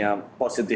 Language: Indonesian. ya jadi berarti